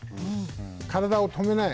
体を止めない。